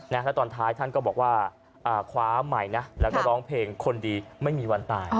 แล้วตอนท้ายท่านก็บอกว่าคว้าใหม่นะแล้วก็ร้องเพลงคนดีไม่มีวันตาย